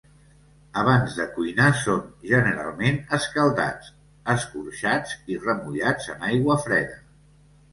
Abans de cuinar, són generalment escaldats, escorxats, i remullats en aigua freda.